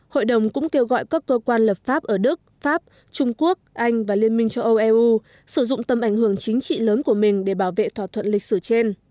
hội đồng cũng kêu gọi các cơ quan lập pháp ở đức pháp trung quốc anh và liên minh châu âu eu sử dụng tầm ảnh hưởng chính trị lớn của mình để bảo vệ thỏa thuận lịch sử trên